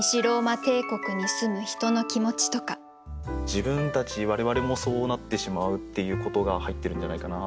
自分たち我々もそうなってしまうっていうことが入ってるんじゃないかな。